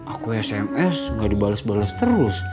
aku sms gak dibales bales terus